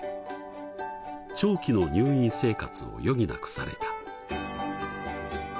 長期の入院生活を余儀なくされた。